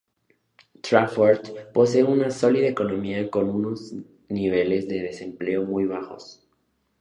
Trafford posee una sólida economía con unos niveles de desempleo muy bajos.